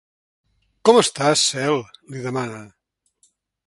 Com estàs, Cel? —li demana.